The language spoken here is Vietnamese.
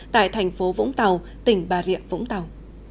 tại thành phố vũng tàu tỉnh bà rịa vũng tàu